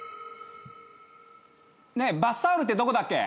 ねえバスタオルってどこだっけ？